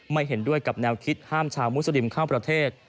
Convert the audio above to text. เห็นด้วยกับแนวคิดห้ามชาวมุสลิมเข้าประเทศ